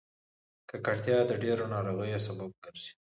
ککړتیا د ډېرو ناروغیو سبب ګرځي.